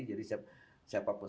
jadi siapa pun